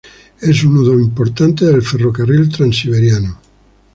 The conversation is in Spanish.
Es un nudo importante del ferrocarril Transiberiano.